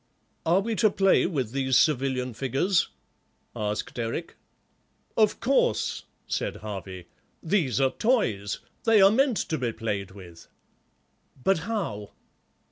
"Are we to play with these civilian figures?" asked Eric. "Of course," said Harvey, "these are toys; they are meant to be played with." "But how?"